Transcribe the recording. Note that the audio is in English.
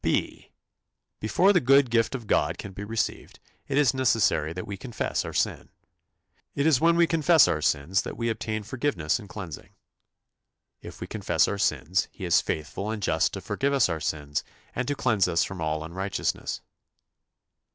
" (b) Before the good gift of God can be received, it is necessary that we confess our sin. It is when we confess our sins that we obtain forgiveness and cleansing. "If we confess our sins, he is faithful and just to forgive us our sins, and to cleanse us from all unrighteousness."